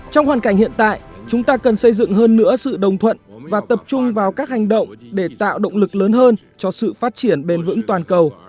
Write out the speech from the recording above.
trong hoàn cảnh hiện tại chúng ta cần xây dựng hơn nữa sự đồng thuận và tập trung vào các hành động để tạo động lực lớn hơn cho sự phát triển bền vững toàn cầu